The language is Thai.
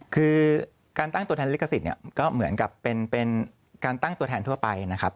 คือการตั้งตัวแทนลิขสิทธิ์เนี่ยก็เหมือนกับเป็นการตั้งตัวแทนทั่วไปนะครับ